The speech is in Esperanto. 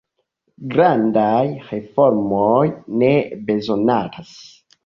Grandaj reformoj ne bezonatas.